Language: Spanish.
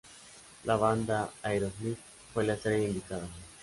La banda Aerosmith fue la estrella invitada.